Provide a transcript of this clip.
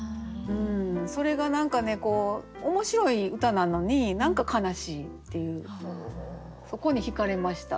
それが何かね面白い歌なのに何か悲しいっていうそこにひかれました。